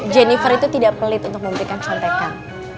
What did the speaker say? jennifer itu tidak pelit untuk memberikan contekan